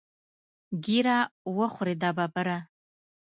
ږیره وخورې دا ببره.